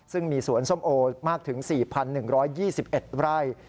ซึ่งมีสวนส้มโอมากถึง๔๑๒๑ไร่